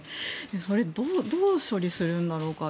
それ、どう処理するんだろうか。